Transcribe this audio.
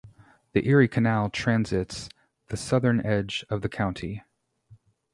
The Erie Canal transits the southern edge of the county.